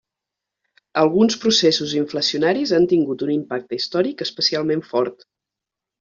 Alguns processos inflacionaris han tingut un impacte històric especialment fort.